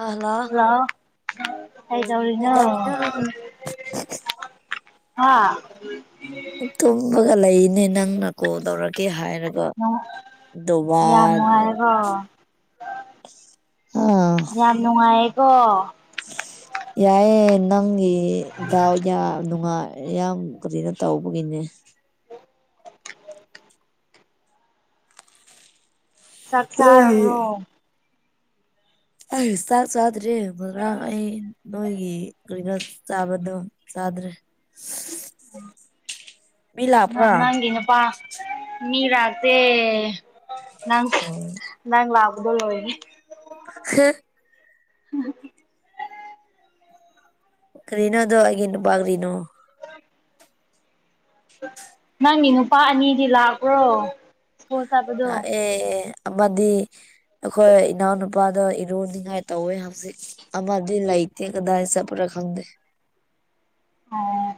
ꯑꯍꯂ ꯍꯥꯏꯗꯥꯎꯔꯤꯅꯣ ꯀꯩꯗꯧꯔꯤꯅꯣ ꯍꯥ ꯇꯨꯝꯕꯒ ꯂꯩꯅꯦ ꯅꯪꯅ ꯀꯣ ꯇꯧꯔꯒꯦ ꯍꯥꯏꯔ ꯀ ꯗꯗꯨꯕꯥ ꯌꯥꯝ ꯅꯨꯡꯉꯥꯏꯔꯦꯀꯣ ꯑꯥ ꯌꯥꯝ ꯅꯨꯡꯉꯥꯏꯌꯦꯀꯣ ꯌꯥꯏꯑꯦ ꯅꯪꯒꯤ ꯗꯥꯎ ꯌꯥꯝ ꯅꯨꯡꯉꯥꯏ ꯌꯥꯝ ꯀꯔꯤꯅ ꯇꯧꯕꯒꯤꯅꯦ ꯆꯠ ꯅꯣꯏꯒꯤ ꯆꯥꯕꯔꯣ ꯑꯩ ꯆꯥꯛ ꯆꯥꯗ꯭ꯔꯤ ꯃꯔꯥꯡ ꯑꯩ ꯅꯣꯏꯒꯤ ꯀꯔꯤꯅ ꯆꯥꯕꯗꯣ ꯆꯗ꯭ꯔꯦ ꯃꯤ ꯑ ꯂꯥꯛꯄ꯭ꯔꯥ ꯅꯪꯒꯤꯅ ꯄ ꯃꯤ ꯔꯇꯦ ꯅꯪ ꯎꯝ ꯅꯪ ꯂꯥꯛꯕꯗꯣ ꯂ ꯑꯣꯏꯣꯏꯅꯤ ꯍ ꯔꯔꯤꯅꯣ ꯑꯗꯨꯒꯤꯅ ꯒꯔꯤꯅꯣ ꯅꯪꯒꯤ ꯅꯨꯄꯥ ꯑꯅꯤꯗꯤ ꯂꯥꯛꯄ꯭ꯔꯣ ꯁ꯭ꯀꯨꯜ ꯆꯠꯄꯗꯣ ꯑꯦ ꯑꯃꯗꯤ ꯑꯩꯈꯣꯏ ꯏꯅꯥꯎꯅꯨꯄꯥꯗ ꯏꯔꯨꯅꯤꯡꯉꯥꯏ ꯇꯧꯋꯦ ꯍꯧꯖꯤꯛ ꯑꯗꯤ ꯂꯩꯇꯦ ꯀꯗꯥꯏ ꯆꯄꯔꯥ ꯈꯪꯗꯦ ꯑꯥ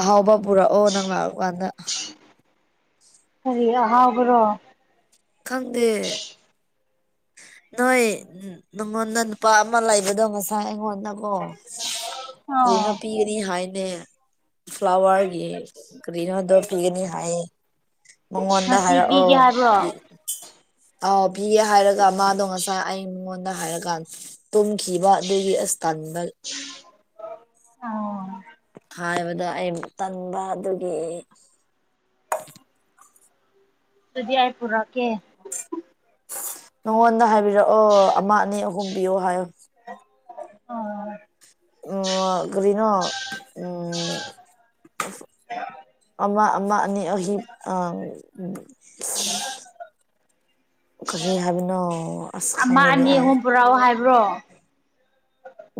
ꯑꯍꯥꯎꯕ ꯄꯨꯔꯛꯑꯣ ꯅꯪ ꯂꯥꯛꯄꯀꯥꯟꯗ ꯀꯔꯤ ꯑꯍꯥꯎꯕ꯭ꯔꯣ ꯈꯪꯗꯦ ꯅꯣꯏ ꯅꯉꯣꯟꯗ ꯅꯨꯄꯥ ꯑꯃ ꯂꯩꯕꯗꯣ ꯃꯁꯥ ꯑꯩꯉꯣꯟꯗ ꯑꯣ ꯔꯤ ꯑꯣ ꯅꯨꯄꯤ ꯅꯤ ꯍꯥꯏꯅꯦ ꯐ꯭ꯂꯥꯋꯔꯒꯤ ꯀꯔꯤꯅꯣꯗꯣ ꯄꯤꯒꯅꯤ ꯍꯥꯏꯌꯦ ꯃꯉꯣꯟꯗ ꯉꯁꯤ ꯍꯥꯏꯔꯛꯑꯣ ꯄꯤꯒꯦ ꯍꯥꯏꯕ꯭ꯔꯣ ꯄ ꯑꯥꯎ ꯄꯤꯌꯦ ꯍꯥꯏꯔꯒ ꯃꯥꯗꯣ ꯉꯁꯥꯏ ꯑꯩ ꯃꯤꯉꯣꯟꯗ ꯍꯥꯏꯔꯀꯥꯟ ꯇꯨꯝꯈꯤꯕ ꯑꯗꯨꯒꯤ ꯑꯁꯇꯥꯟꯗ ꯑꯣ ꯍꯥꯏꯕꯗ ꯑꯩ ꯇꯟꯕ ꯑꯗꯨꯒꯤ ꯑꯗꯨꯗꯤ ꯌꯥꯏ ꯄꯨꯔꯛꯀꯦ ꯅꯉꯣꯟꯗ ꯍꯥꯏꯕꯤꯔꯛꯑꯣ ꯑꯃ ꯑꯅꯤ ꯑꯍꯨꯝꯕꯤꯌꯣ ꯍꯥꯏꯌꯣ ꯑꯣ [inaudible] ꯑꯥ ꯀꯔꯤꯅꯣ ꯎꯝ ꯑꯃ ꯑꯃ ꯑꯅꯤ ꯑꯍꯤ ꯑ ꯀꯔꯤ ꯍꯥꯏꯕꯅꯣ ꯑꯁ [inaudible] ꯑꯃ ꯈꯪꯗꯦꯅꯦ ꯑꯅꯤ ꯑꯩ ꯑꯍꯨꯝ ꯄꯨꯔꯛꯑꯣ ꯍꯥꯏꯕ꯭ꯔꯣ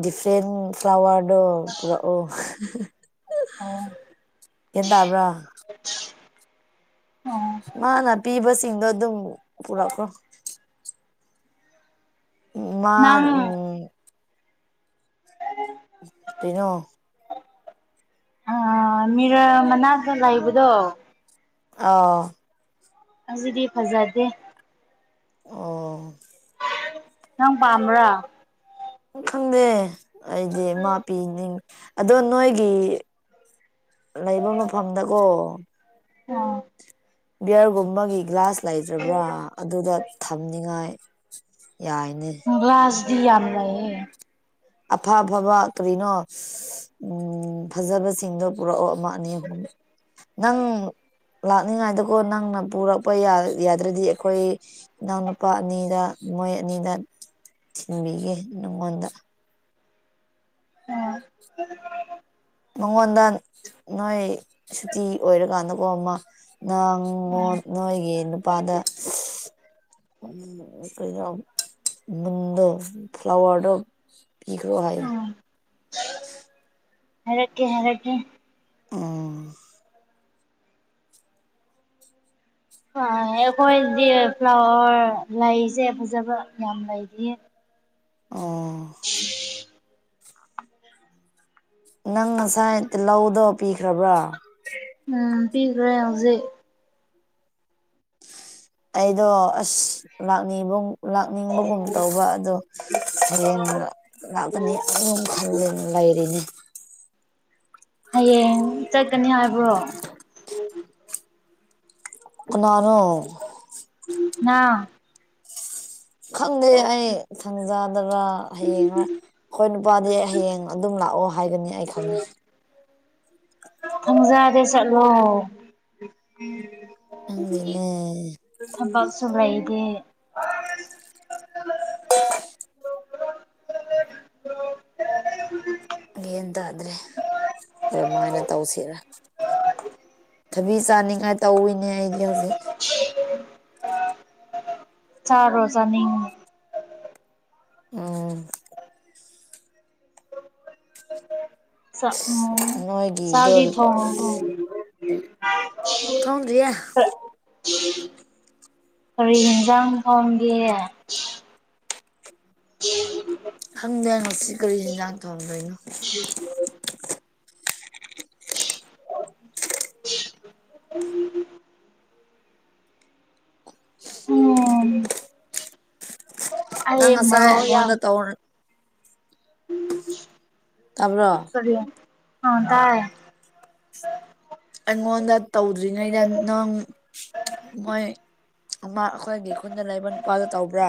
ꯗꯤꯐ꯭ꯔꯦꯟ ꯐ꯭ꯂꯥꯋꯔꯗꯣ ꯄꯨꯔꯛꯑꯣ ꯑꯣ ꯒꯌ꯭ꯥꯟ ꯇꯥꯕ꯭ꯔꯥ ꯑꯣ ꯃꯥꯅ ꯄꯤꯕꯁꯤꯡꯗꯣ ꯑꯗꯨꯝ ꯄꯨꯔꯛꯈ꯭ꯔꯣ ꯃꯥ ꯅꯪ ꯎꯝ ꯇꯩꯅꯣ [unintelligible] ꯑ ꯃꯤꯔ ꯃꯅꯥꯛꯇ ꯂꯩꯕꯗꯣ ꯑꯥ ꯑꯖꯤꯗꯤ ꯐꯖꯗꯦ ꯑꯣ [unintelligible] ꯅꯪ ꯄꯥꯝꯕ꯭ꯔꯥ ꯈꯪꯗꯦ ꯑꯩꯗꯤ ꯃꯥ ꯄꯤꯅꯤꯡ ꯑꯗꯣ ꯅꯣꯏꯒꯤ ꯂꯩꯕ ꯃꯐꯝꯗꯀꯣ ꯎꯝ ꯕꯤꯌꯔꯒꯨꯝꯕꯒꯤ ꯒ꯭ꯂꯥꯁ ꯂꯩꯇ꯭ꯔꯕ꯭ꯔꯥ ꯑꯗꯨꯗ ꯊꯝꯅꯤꯉꯥꯏ ꯌꯥꯏꯅꯦ ꯒ꯭ꯂꯥꯁꯗꯤ ꯌꯥꯝ ꯂꯩꯌꯦ ꯑꯐ ꯑꯐꯕ ꯀꯔꯤꯅꯣ ꯎꯝ ꯐꯖꯕꯁꯤꯡꯗꯣ ꯄꯨꯔꯛꯑꯣ ꯑꯃ ꯑꯅꯤ ꯑꯍꯨꯝ ꯅꯪ ꯂꯥꯛꯅꯤꯉꯥꯏꯗꯀꯣ ꯅꯪꯅ ꯄꯨꯔꯛꯄ ꯌꯥ ꯌꯥꯗ꯭ꯔꯗꯤ ꯑꯩꯈꯣꯏ ꯏꯅꯥꯎ ꯅꯨꯄꯥ ꯑꯅꯤꯗ ꯃꯣꯏ ꯑꯅꯤꯗ ꯊꯤꯟꯕꯤꯒꯦ ꯅꯪꯉꯣꯟꯗ ꯎꯝ [unintelligible] ꯃꯉꯣꯟꯗ ꯅꯣꯏ ꯁꯨꯇꯤ ꯑꯣꯏꯔꯀꯥꯟꯗꯀꯣ ꯑꯃ ꯅꯪ ꯃꯣ ꯅꯣꯏꯒꯤ ꯅꯨꯄꯥꯗ [unintelligible] ꯎꯝ ꯀꯩꯅꯣ ꯅꯨꯡꯗꯣ ꯐ꯭ꯂꯋꯔꯗꯣ ꯄꯤꯈ꯭ꯔꯣ ꯍꯥꯏꯌꯣ ꯑꯣ [unintelligible] ꯍꯥꯏꯔꯛꯀꯦ ꯍꯥꯏꯔꯛꯀꯦ ꯎꯝ ꯑꯥ ꯑꯩꯈꯣꯏꯗꯤ ꯐ꯭ꯂꯥꯋꯔ ꯂꯩꯁꯦ ꯐꯖꯕ ꯌꯥꯝ ꯂꯩꯇꯤꯌꯦ ꯑꯣ [unintelligible] ꯅꯪ ꯉꯁꯥꯏ ꯇꯤꯜꯍꯧꯗꯣ ꯄꯤꯈ꯭ꯔꯕ꯭ꯔꯥ ꯎꯝ ꯄꯤꯈ꯭ꯔꯦ ꯍꯧꯖꯤꯛ ꯑꯩꯗꯣ ꯑꯁ ꯂꯥꯛꯅꯤꯡꯒꯨꯝ ꯂꯥꯛꯅꯤꯡꯕꯒꯨꯝ ꯇꯧꯕ ꯑꯗꯣ [unintelligible] ꯍꯌꯦꯡꯅ ꯂꯥꯛꯀꯅꯤ ꯑꯗꯨꯝ ꯈꯜꯂꯦꯟ ꯂꯩꯔꯤꯅꯤ ꯍꯌꯦꯡ ꯆꯠꯀꯅꯤ ꯍꯥꯏꯕ꯭ꯔꯣ ꯀꯅꯥꯔꯣ ꯅꯥ ꯈꯪꯗꯦ ꯑꯩ ꯊꯪꯖꯥꯗꯔꯥ ꯍꯌꯦꯡꯔꯥ ꯈꯣꯏ ꯅꯨ ꯄꯥꯗꯤ ꯍꯌꯦꯡ ꯑꯗꯨꯝ ꯂꯥꯛꯑꯣ ꯍꯥꯏꯒꯅꯤ ꯑꯩ ꯈꯪꯉꯦ ꯊꯪꯖꯥꯗꯤ ꯆꯠꯂꯣ [unintelligible] ꯈꯪꯗꯦꯅꯦ [unintelligible] ꯊꯕꯛꯁꯨ ꯂꯩꯇꯦ [unintelligible] ꯌꯦꯟ ꯇꯥꯗ꯭ꯔꯦ ꯀꯃꯥꯏꯅ ꯇꯧꯁꯤꯔꯥ ꯊꯕꯤ ꯆꯥꯅꯤꯡꯉꯥꯏ ꯇꯧꯋꯤꯅꯦ ꯑꯩꯗꯤ ꯍꯧꯖꯤꯛ [unintelligible] ꯆꯥꯔꯣ ꯆꯥꯅꯤꯡ ꯎꯝ ꯆꯥꯛ ꯎꯝ [unintelligible] ꯅꯣꯏꯒꯤꯗꯣ ꯆꯥꯛꯗꯤ ꯊꯣꯡ [unintelligible] [unintelligible] ꯈꯪꯗ꯭ꯔꯤꯌꯦ [unintelligible] ꯀꯔꯤ ꯌꯦꯟꯖꯥꯡ ꯊꯣꯡꯒꯦ [unintelligible] ꯈꯪꯗꯦ ꯉꯣꯁꯤ ꯀꯔꯤ ꯌꯦꯟꯖꯥꯡ ꯊꯣꯡꯗꯣꯏꯅꯣ [unintelligible] ꯎꯝ ꯅꯪ ꯑꯩ ꯉꯁꯥꯏ ꯃꯔꯣꯛ ꯌꯥꯝ ꯑꯩꯉꯣꯟꯗ ꯇꯧ ꯇꯥꯕ꯭ꯔꯣ [unintelligible] ꯀꯔꯤ ꯑꯥ ꯇꯥꯏ ꯑꯩꯉꯣꯟꯗ ꯇꯧꯗ꯭ꯔꯤꯉꯩꯗ ꯅꯪ ꯃꯣꯏ ꯑꯃ ꯑꯩꯈꯣꯏꯒꯤ ꯈꯨꯟꯗ ꯂꯩꯕ ꯅꯨꯄꯥꯗꯣ ꯇꯧꯕ꯭ꯔꯥ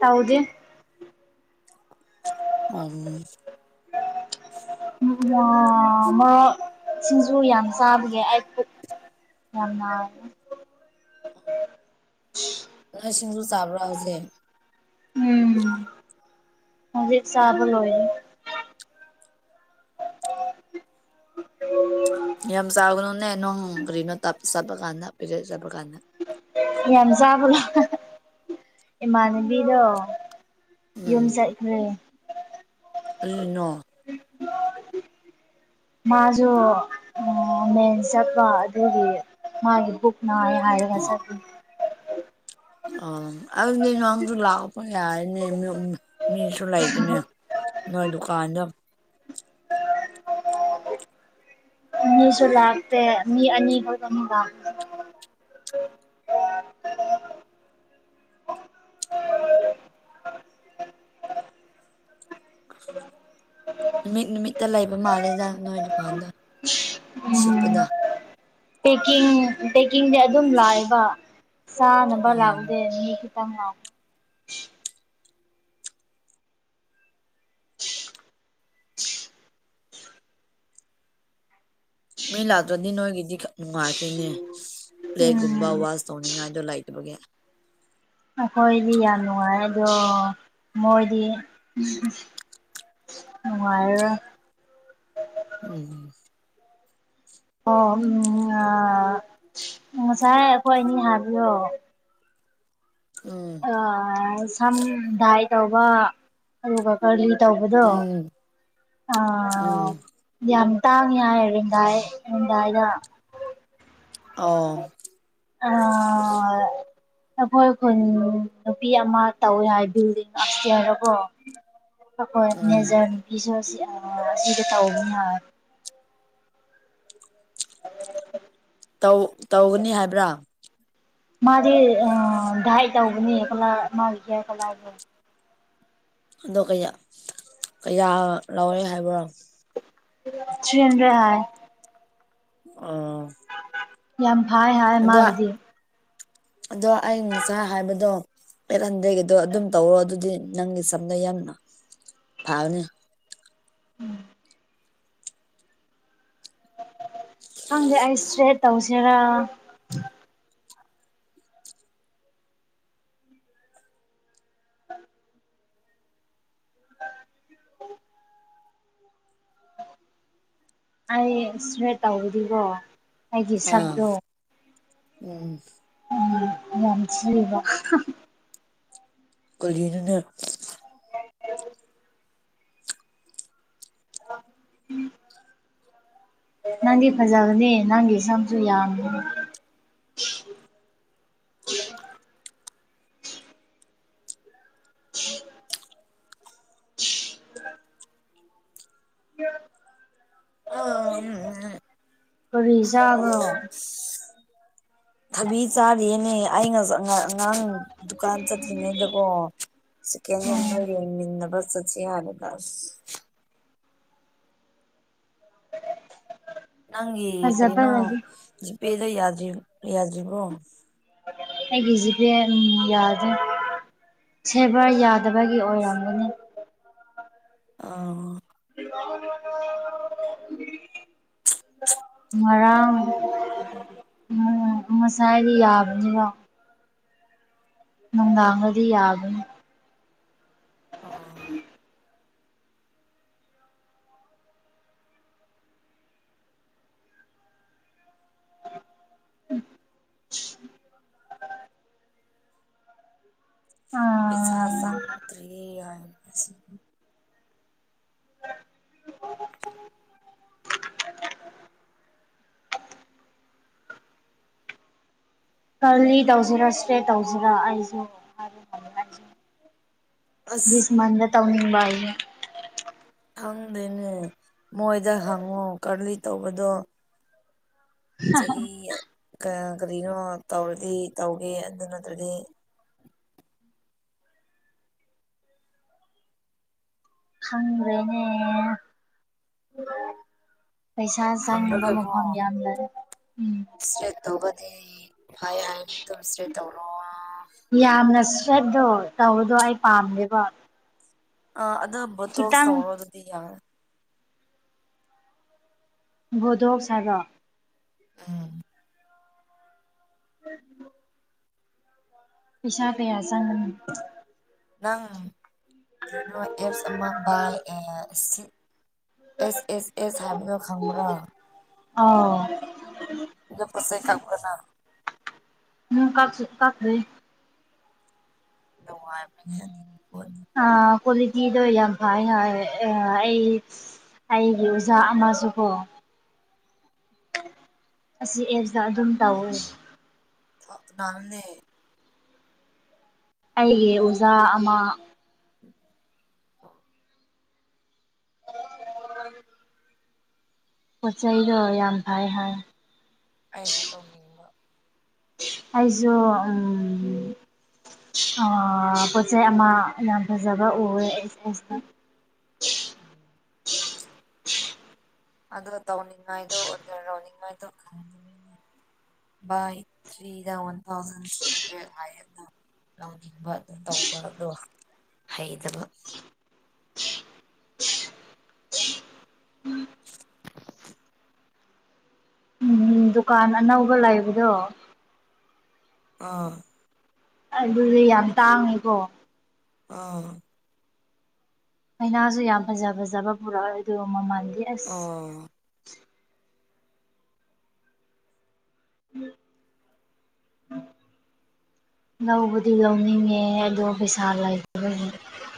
ꯇꯧꯗꯦ ꯑꯣ ꯎ ꯁꯤꯡꯁꯨ [unintelligible] ꯌꯥꯝ ꯆꯥꯕꯒꯦ ꯑꯩꯄꯨꯛ [unintelligible] ꯎꯝ [inaudible] ꯅꯣꯏ ꯁꯤꯡꯁꯨ ꯆꯥꯕ꯭ꯔꯥ ꯍꯧꯖꯤꯛ ꯎꯝ ꯍꯧꯖꯤꯛ ꯆꯥꯕꯂꯣꯏꯔꯦ ꯌꯥꯝ ꯁꯥꯒꯅꯣꯅꯦ ꯅꯪ ꯀꯔꯤꯅꯣ [unintelligible] ꯄꯤꯔꯤꯌꯗ ꯆꯠꯄ ꯀꯟꯗ ꯌꯥꯝ ꯆꯥꯕꯅꯦ [unintelligible] ꯏꯃꯥꯟꯅꯕꯤꯗꯣ ꯌꯨꯝ ꯆꯠꯈ꯭ꯔꯦ ꯀꯔꯤꯅꯣ [inaudible] ꯃꯥꯁꯨ ꯃꯦꯟ ꯆꯠꯄ ꯑꯗꯨꯒꯤ ꯃꯥꯒꯤ ꯕꯨꯛ ꯅꯥꯔꯦ ꯍꯥꯏꯌꯦꯕ [unintelligible] ꯑꯣ ꯑꯗꯨꯗꯤ ꯅꯪꯁꯨ ꯂꯥꯛꯄꯌꯥꯏꯅꯦ ꯃꯤꯁꯨ ꯂꯩꯒꯅꯦ ꯅꯣꯏꯗꯨꯀꯥꯟꯗꯨ ꯃꯤꯁꯨ ꯂꯥꯛꯇꯦ ꯃꯤ ꯑꯅꯤ ꯈꯛꯇ ꯃꯄꯥꯟꯗ ꯅꯨꯃꯤꯠ ꯅꯨꯃꯤꯠꯇ ꯂꯩꯕ ꯃꯥꯜꯂꯦꯗ ꯅꯣꯏ ꯗꯨꯀꯥꯟꯗꯣ ꯎꯝ ꯁꯤꯠꯄꯗꯣ ꯄꯦꯛꯀꯤꯡ ꯄꯦꯛꯀꯤꯡꯗꯤ ꯑꯗꯨꯝ ꯂꯥꯛꯑꯦꯕ ꯆꯥꯅꯕ ꯎꯝ ꯂꯥꯛꯇꯦ [unintelligible] ꯃꯤ ꯂꯥꯛꯇ꯭ꯔꯗꯤ ꯅꯣꯏꯒꯤꯗꯤ ꯅꯨꯡꯉꯥꯏꯈ꯭ꯔꯤꯅꯦ ꯄ꯭ꯂꯦꯠꯒꯨꯝꯕ ꯎꯝ ꯋꯥꯁ ꯇꯧꯅꯤꯡꯉꯥꯏꯗꯣ ꯂꯩ ꯑꯗꯨꯅꯦ [unintelligible] ꯑꯩꯈꯣꯏꯗꯤ ꯌꯥꯝ ꯅꯨꯡꯉꯥꯏ ꯑꯗꯣ ꯃꯣꯏꯗꯤ ꯅꯨꯡꯉꯥꯏꯔꯦ ꯎꯝ ꯑꯣ [unintelligible] ꯉꯁꯥꯏ ꯑꯩꯈꯣꯏ ꯑꯅꯤ ꯍꯥꯏꯕꯗꯣ ꯎꯝ ꯑꯥ ꯁꯝ ꯗꯥꯏ ꯇꯧꯕ ꯑꯗꯨꯒ ꯀꯔꯂꯤ ꯇꯧꯕꯗꯣ ꯎꯝ ꯎꯝ ꯑꯥ ꯌꯥꯝ ꯇꯥꯡꯉꯤ ꯍꯥꯏ ꯔꯤꯝꯗꯥꯏ ꯔꯤꯝꯗꯥꯏ ꯗ ꯑꯣ ꯑꯥ ꯑꯩꯈꯣꯏ ꯈꯨꯟ ꯅꯨꯄꯤ ꯑꯃ ꯇꯧꯋꯦ ꯍꯥꯏ ꯕꯤꯜꯗꯤꯡ ꯑꯞꯁꯇ꯭ꯌꯔ ꯗꯀꯣ ꯑꯈꯣꯏ ꯎꯝ ꯃꯦꯖꯔ ꯅꯨꯄꯤꯁꯨ ꯁꯤꯑ ꯁꯤꯗ ꯇꯧꯕꯅꯤ ꯍꯥꯏ ꯇꯧ ꯇꯧꯒꯅꯤ ꯍꯥꯏꯕ꯭ꯔꯥ ꯃꯥꯗꯤ ꯑ ꯗꯥꯥꯏ ꯇꯧꯕꯅꯤ ꯀꯂꯔ ꯑꯃ ꯍ꯭ꯌꯔ ꯀꯂꯔꯗꯣ ꯑꯗꯣ ꯀꯌꯥ ꯀꯌꯥ ꯂꯧꯔꯦ ꯍꯥꯏꯕ꯭ꯔꯣ ꯊ꯭ꯔꯤ ꯍꯟꯗ꯭ꯔꯦꯗ ꯍꯥꯥꯏ ꯑꯣ ꯌꯥꯝ ꯐꯩꯌꯦ ꯍꯥꯏ ꯑꯗꯣ ꯃꯥꯒꯤꯗꯤ ꯑꯗꯣ ꯑꯩ ꯉꯁꯥꯏ ꯍꯥꯏꯕꯗꯣ ꯄꯦꯂꯦꯟꯗꯒꯤꯗꯣ ꯑꯗꯨꯝ ꯇꯧꯔꯣ ꯑꯗꯨꯗꯤ ꯅꯪꯒꯤ ꯆꯝꯅ ꯌꯥꯝꯅ ꯐꯥꯒꯅꯤ ꯎꯝ ꯈꯪꯗꯦ ꯑꯩ ꯏꯁꯇ꯭ꯔꯦꯠ ꯇꯧꯁꯦꯔꯥ ꯑꯩ ꯏꯁꯇ꯭ꯔꯦꯠ ꯇꯧꯕꯗꯤꯒꯣ ꯑꯩꯒꯤ ꯑꯥ ꯁꯛꯇꯣ [unintelligible] ꯎꯝ ꯌꯥꯝ ꯊꯤꯕ [unintelligible] ꯀꯔꯤꯅꯣꯅꯦ ꯅꯪꯗꯤ ꯐꯖꯕꯅꯦ ꯅꯪꯒꯤ ꯁꯝꯁꯨ ꯌꯥꯝ [unintelligible] [unintelligible] ꯑꯥ ꯎꯝ ꯎꯝ [unintelligible] ꯀꯔꯤ ꯆꯥꯕ꯭ꯔꯣ ꯊꯕꯤ ꯆꯥꯔꯤꯌꯦꯅꯦ ꯑꯩ ꯉꯁ ꯉ [unintelligible] ꯑꯉꯥꯡ ꯗꯨꯀꯥꯟ ꯆꯠꯇ꯭ꯔꯤꯉꯩꯗꯀꯣ ꯁꯦꯀꯦꯟ ꯍꯦꯟ ꯎꯝ ꯗ‌ꯣ ꯌꯣꯟꯃꯤꯟꯅꯕ ꯆꯠ ꯁꯦ ꯍꯥꯏꯕꯗ ꯑꯁ ꯅꯪꯒꯤ ꯐꯖꯕ ꯀꯔꯤꯅꯣ ꯂꯩꯗꯤ ꯖꯤꯄꯦꯗ ꯌꯥꯗ꯭ꯔꯤ ꯌꯥꯗ꯭ꯔꯤꯕꯣ ꯑꯩꯒꯤ ꯖꯤꯄꯦ ꯎꯝ ꯌꯥꯗ꯭ꯔꯤ ꯁꯦꯕꯔ ꯌꯥꯗꯕꯒꯤ ꯑꯣꯏꯔꯝꯒꯅꯤ ꯑꯝ [unintelligible] ꯉꯔꯥꯡ [unintelligible] [unintelligible] ꯉꯁꯥꯏꯗꯤ ꯌꯥꯕꯅꯤꯀꯣ ꯅꯨꯡꯗꯥꯡꯗꯗꯤ ꯌꯥꯒꯅꯤ ꯑꯣ [unintelligible] ꯑ ꯄꯩꯁꯥ ꯆꯦꯗ꯭ꯔꯤꯌꯦ ꯍꯥꯏ [unintelligible] ꯀꯔꯂꯤ ꯇꯧꯁꯤꯔꯥ ꯏꯁꯇ꯭ꯔꯦꯠ ꯇꯧꯁꯤꯔꯥ ꯑꯩꯁꯨ ꯍꯥꯏꯕ ꯉꯝꯗꯦ ꯗꯤꯁ ꯃꯟꯗ ꯇꯧꯅꯤꯡꯕ ꯑꯩꯅ ꯈꯪꯗꯦꯅꯦ ꯃꯣꯏꯗ ꯍꯪꯉꯣ ꯀꯔꯂꯤ ꯇꯧꯕꯗꯣ ꯆꯍꯤ ꯀ ꯀꯔꯤꯅꯣ ꯇꯧꯔꯗꯤ ꯇꯧꯒꯦ ꯑꯗꯨ ꯅꯠꯇ꯭ꯔꯗꯤ ꯈꯪꯗ꯭ꯔꯦꯅꯦ [unintelligible] ꯄꯩꯁꯥ ꯆꯪꯗꯨꯕ ꯍꯪꯔꯒꯀꯣ ꯃꯐꯝ ꯌꯥꯝ ꯂꯩ ꯎꯝ ꯏꯁꯇ꯭ꯔꯦꯠ ꯇꯧꯕꯗꯤ ꯐꯩꯌꯦ ꯍꯥꯏꯅꯤ ꯑꯗꯨꯝ ꯏꯁꯇ꯭ꯔꯦꯠ ꯇꯧꯔꯣ ꯌꯥꯝꯅ ꯏꯁꯇ꯭ꯔꯦꯠꯗꯣ ꯇꯧꯕꯗꯣ ꯑꯩ ꯄꯥꯝꯗꯦꯕ ꯑ ꯑꯗꯨꯒ ꯕꯣꯇꯣꯛꯁ ꯈꯤꯇꯪ ꯇꯧꯔꯣ ꯑꯗꯨꯗꯤ ꯌꯥꯔꯦ ꯚꯣꯗꯣꯛꯁ ꯍꯥꯏꯕꯣ ꯎꯝ [unintelligible] ꯄꯩꯁꯥ ꯀꯌꯥ ꯆꯪꯅꯤ ꯅꯪ ꯀꯩꯅꯣ ꯑꯦꯞꯁ ꯑꯃ ꯕꯥꯏ ꯑꯦ ꯁꯤ ꯑꯦꯁ ꯑꯦꯁ ꯑꯦꯁ ꯍꯥꯏꯕꯗꯣ ꯈꯪꯕ꯭ꯔꯥ ꯑꯥ ꯑꯗꯨ ꯄꯣꯠ ꯆꯩ ꯀꯛꯄ꯭ꯔꯥ ꯅꯪ ꯅꯪ ꯀꯛꯁꯨ ꯀꯛꯈ꯭ꯔꯦ ꯅꯨꯡꯉꯥꯢꯕꯅꯤ ꯑꯗꯨ ꯍꯣꯢ ꯀ꯭ꯋꯥꯂꯤꯇꯤꯗꯣ ꯌꯥꯝ ꯐꯥꯏ ꯍꯥꯏ ꯑꯩ ꯑꯩꯒꯤ ꯑꯣꯖꯥ ꯑꯃꯁꯨꯀꯣ ꯑꯁꯤ ꯑꯦꯁꯇ ꯑꯗꯨꯝ ꯇꯧꯋꯦ ꯅꯅꯦ ꯑꯩꯒꯤ ꯑꯣꯖꯥ ꯑꯃ [unintelligible] ꯄꯣꯠ ꯆꯩꯗꯣ ꯌꯥꯝ ꯐꯩ ꯍꯥꯏ ꯑꯩꯁꯨ ꯇꯧꯅꯤꯡꯕ ꯑꯩꯖꯨ ꯎꯝ ꯑ ꯄꯣꯠꯆꯩ ꯑꯃ ꯌꯥꯝ ꯐꯖꯕ ꯎꯑꯦ [unintelligible] ꯑꯗꯣ ꯇꯧꯅꯤꯡꯉꯥꯏꯗꯣ ꯑꯣꯟꯔ ꯇꯥꯎꯅꯤꯡꯉꯥꯏꯗꯣ ꯕꯥꯏ ꯊ꯭ꯔꯤꯗ ꯋꯥꯟ ꯊꯥꯎꯖꯟ ꯊ꯭ꯔꯤ ꯍꯟꯗ꯭ꯔꯦ ꯍꯥꯏ ꯇꯧꯅꯤꯡꯕ ꯑꯗꯨꯝ ꯇꯧꯕ ꯑꯗꯣ ꯍꯩꯇꯕ [unintelligible] ꯗꯨꯀꯥꯟ ꯑꯅꯧꯕ ꯂꯩꯕꯗꯣ ꯑꯥ ꯑꯗꯨꯗꯤ ꯌꯥꯝ ꯇꯥꯡꯉꯦꯀꯣ ꯑꯥ ꯑꯩꯅꯥꯁꯨ ꯌꯥꯝ ꯐꯖ ꯐꯖꯕ ꯄꯨꯔꯛꯑꯣꯏ ꯑꯗꯨꯒ ꯃꯃꯜꯗꯤ ꯑꯁ ꯑꯥ [unintelligible] ꯂꯧꯕꯗꯤ ꯂꯧꯅꯤꯡꯉꯦ ꯑꯗꯣ ꯄꯩꯁꯥ ꯂꯩ